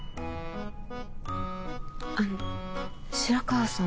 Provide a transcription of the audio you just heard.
あの白川さん